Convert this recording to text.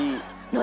何？